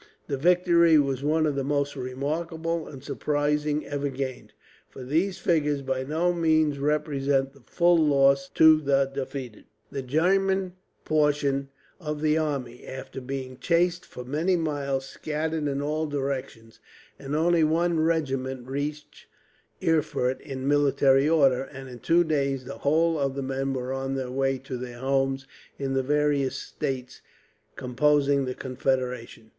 The victory was one of the most remarkable and surprising ever gained, for these figures by no means represent the full loss to the defeated. The German portion of the army, after being chased for many miles, scattered in all directions; and only one regiment reached Erfurt in military order, and in two days the whole of the men were on their way to their homes, in the various states composing the Confederation.